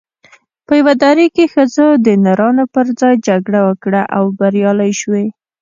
په یوه دره کې ښځو د نرانو پر ځای جګړه وکړه او بریالۍ شوې